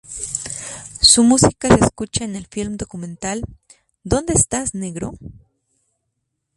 Su música se escucha en el filme documental ¿Dónde estás, Negro?